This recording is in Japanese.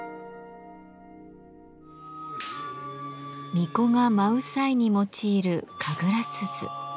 巫女が舞う際に用いる神楽鈴。